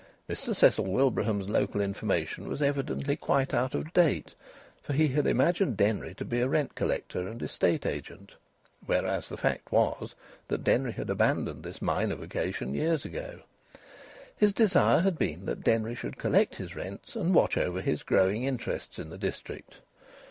Mr Cecil Wilbraham's local information was evidently quite out of date, for he had imagined Denry to be a rent collector and estate agent, whereas the fact was that Denry had abandoned this minor vocation years ago. His desire had been that Denry should collect his rents and watch over his growing interests in the district.